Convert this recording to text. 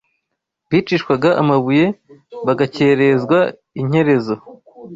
bicishwaga amabuye bagakerezwa inkerezo